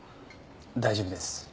大丈夫です。